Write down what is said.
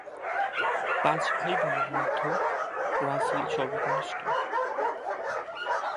পাঁচ ভাই-বোনের মধ্যে রাসেল সর্বকনিষ্ঠ।